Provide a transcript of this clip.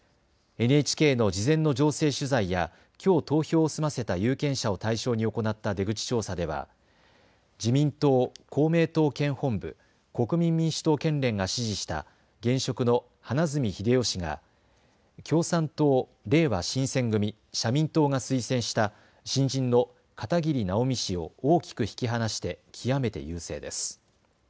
ＮＨＫの事前の情勢取材やきょう投票を済ませた有権者を対象に行った出口調査では自民党、公明党県本部、国民民主党県連が支持した現職の花角英世氏が共産党、れいわ新選組、社民党が推薦した新人の片桐奈保美氏を大きく引き離して極めて優勢です。